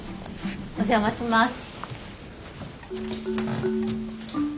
お邪魔します。